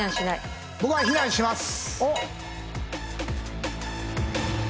僕は避難します。